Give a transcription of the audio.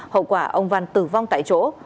hậu quả ông văn tử vong tại chỗ